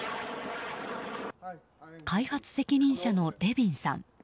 開発責任者のレビンさん。